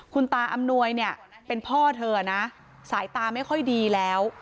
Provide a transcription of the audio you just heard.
คุณตาอำนวยเนี่ยเป็นพ่อเธอนะสายตาไม่ค่อยดีแล้ว